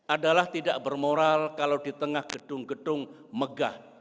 adalah tidak bermoral kalau di tengah gedung gedung megah